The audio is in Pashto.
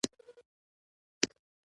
ځینې خلک د موسیقۍ پر بنسټ کار کوي.